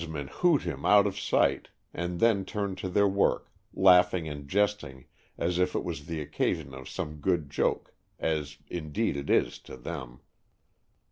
men hoot him out of sight and then turn to their work, laughing and jesting as if it was the occasion of some good joke, as indeed it is to them.